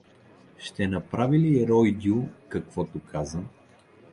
Ще направи ли Ройдю каквото каза?